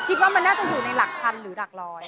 คิดว่ามันน่าจะอยู่ในหลักพันหรือหลักร้อย